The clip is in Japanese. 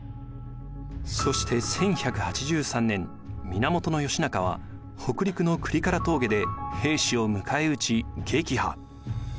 そして１１８３年源義仲は北陸の倶利伽羅峠で平氏を迎え撃ち撃破。